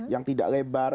yang tidak lebar